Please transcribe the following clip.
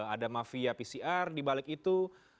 ada mafia pcr dibalik itu